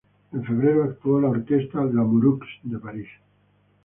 En febrero, actuó la Orquesta Lamoureux de París.